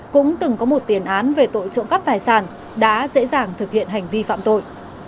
cũng từng có một tiền án về tội trộm cắp tài sản đã dễ dàng thực hiện hành vi phạm tội